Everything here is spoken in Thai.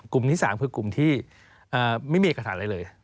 กลุ่มที่๓คือกลุ่มที่ไม่มีเอกสารอะไรเลย